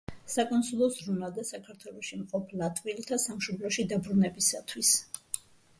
საკონსულო ზრუნავდა საქართველოში მყოფ ლატვიელთა სამშობლოში დაბრუნებისათვის.